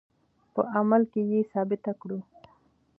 په عمل کې یې ثابته کړو.